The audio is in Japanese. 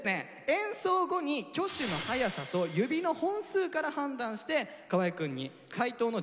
演奏後に挙手の速さと指の本数から判断して河合くんに解答の順番を決めて頂きます。